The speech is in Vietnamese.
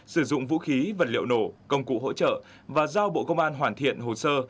sử dụng vũ khí vật liệu nổ công cụ hỗ trợ và giao bộ công an hoàn thiện hồ sơ